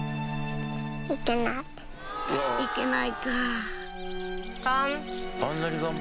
行けないか貫。